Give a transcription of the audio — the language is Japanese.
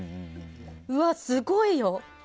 うわ、すごいよ！